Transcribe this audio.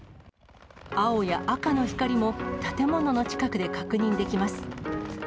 青や赤の光も建物の近くで確認できます。